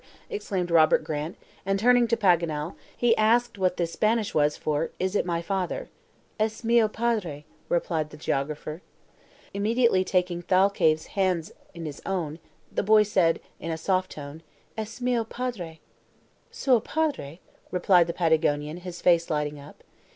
exclaimed Robert Grant, and, turning to Paganel, he asked what the Spanish was for, "Is it my father." "Es mio padre," replied the geographer. Immediately taking Thalcave's hands in his own, the boy said, in a soft tone: "Es mio padre." "Suo padre," replied the Patagonian, his face lighting up.